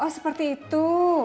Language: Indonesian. oh seperti itu